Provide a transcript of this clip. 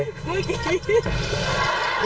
เมื่อกี้